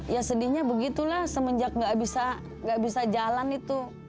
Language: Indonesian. ya sedihnya begitu lah semenjak gak bisa jalan itu